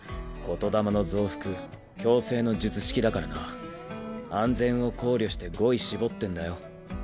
言霊の増幅強制の術式だからな安全を考慮して語彙絞ってんだよ。